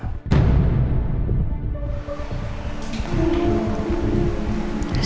saya itu sedang keluar